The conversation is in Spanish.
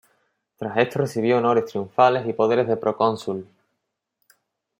Tras esto recibió honores triunfales y poderes de procónsul.